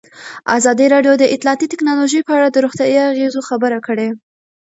ازادي راډیو د اطلاعاتی تکنالوژي په اړه د روغتیایي اغېزو خبره کړې.